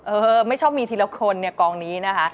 เออไม่ชอบมีทีละคนเนี่ยกองนี้นะคะ